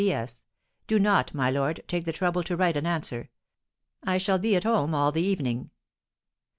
"P.S. Do not, my lord, take the trouble to write an answer. I shall be at home all the evening."